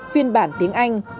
phiên bản tiếng anh